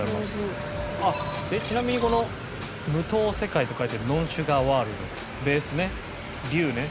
ちなみにこの「無糖世界」と書いて「ノンシュガーワールド」のベースね琉ね。